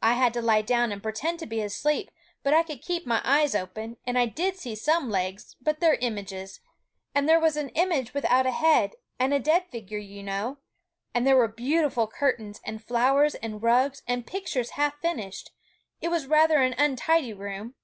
I had to lie down and pretend to be asleep, but I could keep my eyes open, and I did see some legs, but they're images and there was a image without a head, a dead figure, you know. And there were beautiful curtains, and flowers, and rugs, and pictures half finished. It was rather an untidy room.